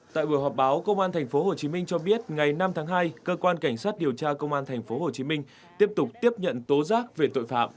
tại buổi họp báo công an tp hcm cho biết ngày năm tháng hai cơ quan cảnh sát điều tra công an tp hcm tiếp tục tiếp nhận tố giác về tội phạm